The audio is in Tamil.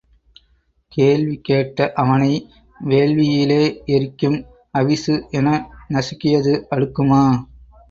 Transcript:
கேள்வி கேட்ட அவனை வேள்வியிலே எரிக்கும் அவிசு என நசுக்கியது அடுக்குமா?